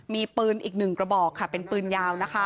มีปืนอีก๑กระบอกเป็นปืนยาว